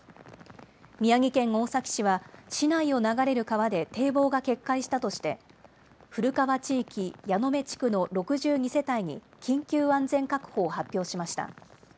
宮城県大崎市は市内を流れる川で堤防が決壊したとして古川地域矢目地区の６２世帯に緊急安全確保を発表しました。